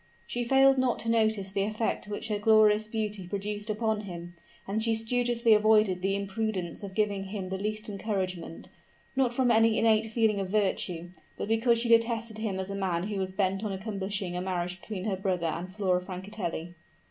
She failed not to notice the effect which her glorious beauty produced upon him, and she studiously avoided the imprudence of giving him the least encouragement; not from any innate feeling of virtue, but because she detested him as a man who was bent on accomplishing a marriage between her brother and Flora Francatelli.